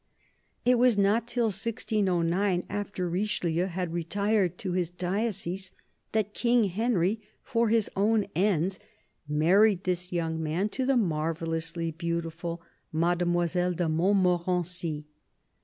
It was not till 1609, after Richelieu had retired to his diocese, that King Henry, for his own ends, married this young man to the marvellously beautiful Mademoiselle de Montmorency.